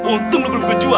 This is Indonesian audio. untung lu belum gua jual